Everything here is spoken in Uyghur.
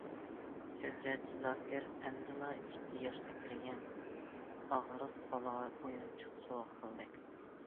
شۆھرەت زاكىر ئەمدىلا ئىككى ياشقا كىرگەن ئاغرىق بالىغا ئويۇنچۇق سوۋغا قىلدى.